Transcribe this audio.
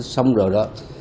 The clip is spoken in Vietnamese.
xong rồi đó